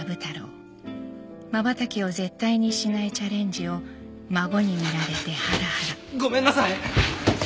「まばたきを絶対にしないチャレンジを孫に見られてハラハラ」ごめんなさい！